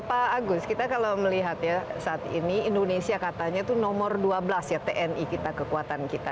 pak agus kita kalau melihat ya saat ini indonesia katanya itu nomor dua belas ya tni kita kekuatan kita